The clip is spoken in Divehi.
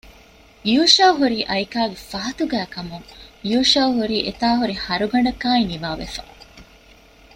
ޔޫޝައު ހުރީ އައިކާގެ ފަހަތުގައިކަމުން ޔޫޝައު ހުރީ އެތާ ހުރި ހަރުގަނޑަކާއި ނިވާވެފަ